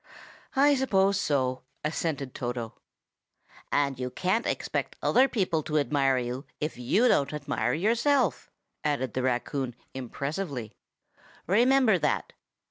"I suppose so," assented Toto. "And you can't expect other people to admire you if you don't admire yourself!" added the raccoon impressively. "Remember that!